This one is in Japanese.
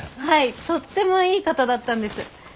はいとってもいい方だったんです。